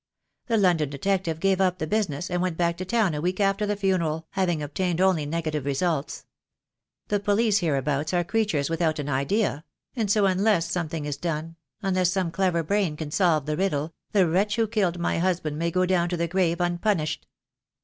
The London detective gave up the business and went back to town a week after the funeral, having obtained only negative results. The police hereabouts are creatures without an idea; and so unless something is done, unless some clever brain can solve the riddle, the wretch who killed my husband may go down to the grave unpunished."